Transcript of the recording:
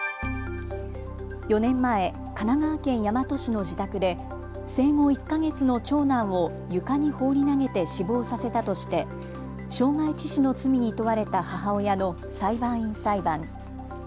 ４年前、神奈川県大和市の自宅で生後１か月の長男を床に放り投げて死亡させたとして傷害致死の罪に問われた母親の裁判員裁判。